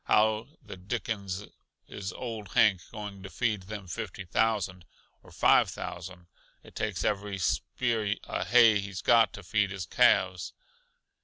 How the dickens is old Hank going to feed them fifty thousand? or five thousand? It takes every spear uh hay he's got to feed his calves."